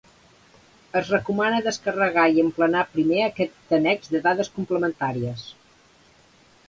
Es recomana descarregar i emplenar primer aquest annex de dades complementàries.